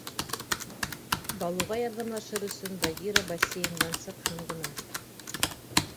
Балуға ярҙамлашыр өсөн Багира бассейндан сыҡһын ғына...